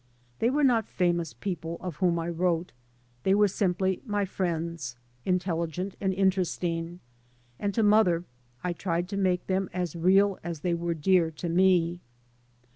They were not famous peo ple of whom I wrote ; they were simply my friends, intelligent and interesting, and to mother I tried to make them as real as they were dear to me.